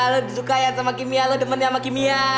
lo disukai sama kimi lo demennya sama kimi